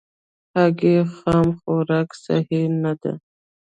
هګۍ خام خوراک صحي نه ده.